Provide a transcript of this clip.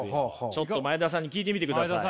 ちょっと前田さんに聞いてみてください。